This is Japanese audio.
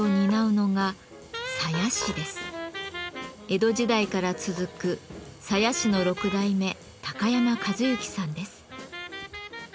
江戸時代から続く鞘師の６代目山一之さんです。